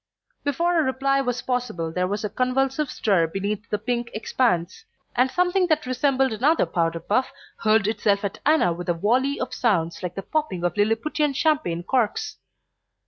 Before a reply was possible there was a convulsive stir beneath the pink expanse, and something that resembled another powder puff hurled itself at Anna with a volley of sounds like the popping of Lilliputian champagne corks.